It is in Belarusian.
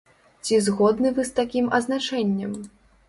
Ці згодны вы з такім азначэннем?